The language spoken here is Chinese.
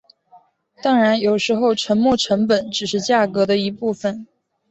当然有时候沉没成本只是价格的一部分。